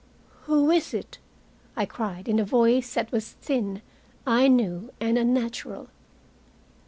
"Who is it?" I cried, in a voice that was thin, I knew, and unnatural.